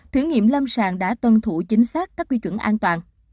thử nghiệm lâm sàng đã tuân thủ chính xác các quy chuẩn an toàn